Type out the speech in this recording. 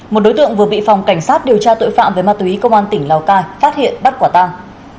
một đối tượng vừa bị phòng cảnh sát điều tra tội phạm về ma túy công an tỉnh lào cai phát hiện bắt quả tang